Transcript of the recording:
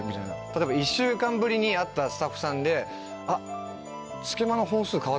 例えば１週間ぶりに会ったスタッフさんで。